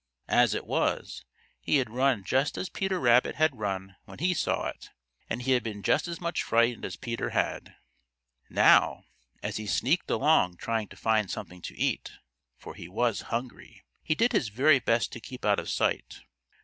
As it was, he had run just as Peter Rabbit had run when he saw it, and he had been just as much frightened as Peter had. Now, as he sneaked along trying to find something to eat, for he was hungry, he did his very best to keep out of sight.